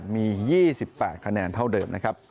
มี๒๘คะแนนเท่าเดิมนะครับ